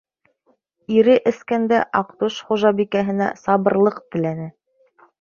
Ире эскәндә Аҡтүш хужабикәһенә сабырлыҡ теләне.